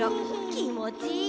きもちいい。